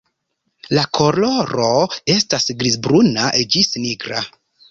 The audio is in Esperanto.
La koloro estas grizbruna ĝis nigra.